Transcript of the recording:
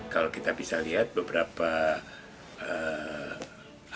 kalau kita bisa lihat beberapa hal